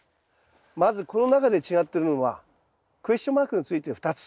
まずこの中で違ってるのはクエスチョンマークのついてる２つ。